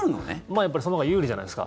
やっぱりそのほうが有利じゃないですか。